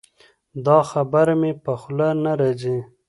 دا خبره مې په خوله نه راځي.